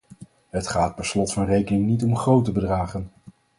Het gaat per slot van rekening niet om grote bedragen.